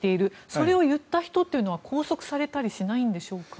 それを言った人というのは拘束されたりしないんでしょうか。